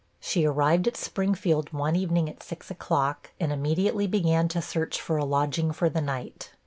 She arrived at Springfield one evening at six o'clock, and immediately began to search for a lodging for the night.